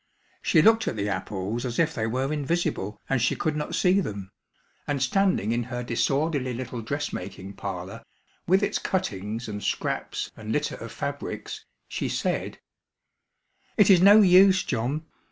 She looked at the apples as if they were invisible and she could not see them, and standing in her disorderly little dressmaking parlor, with its cuttings and scraps and litter of fabrics, she said: "It is no use, John.